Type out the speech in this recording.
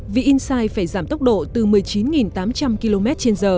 vì insight phải giảm tốc độ từ một mươi chín tám trăm linh kmh